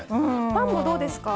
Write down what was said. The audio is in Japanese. パンもどうですか？